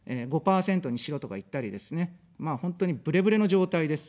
５％にしろとか言ったりですね、まあ、本当に、ブレブレの状態です。